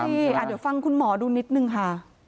นั่นแหละสิเดี๋ยวฟังคุณหมอดูนิดนึงค่ะ